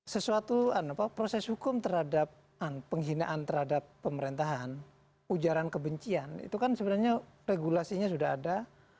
sesuatu proses hukum terhadap penghinaan terhadap pemerintahan ujaran kebencian itu kan sebenarnya regulasinya sudah ada